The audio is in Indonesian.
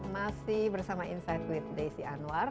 masih bersama insight with desi anwar